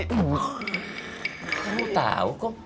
kamu tahu kung